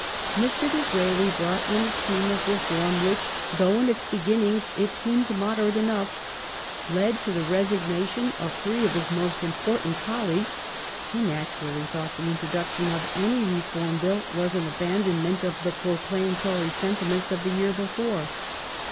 Mr. Disraeli brought in a scheme of reform which, though in its beginnings it seemed moderate enough, led to the resignation of three of his most important colleagues, who naturally thought the introduction of any Reform Bill was an abandon ment of the proclaimed Tory sentiments of the year before.